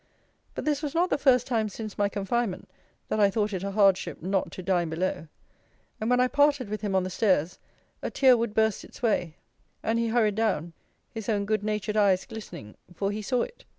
But this was not the first time since my confinement that I thought it a hardship not to dine below. And when I parted with him on the stairs, a tear would burst its way; and he hurried down; his own good natured eyes glistening; for he saw it.